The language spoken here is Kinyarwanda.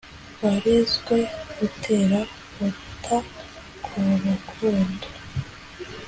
Warezwe utera uta ku rukundo.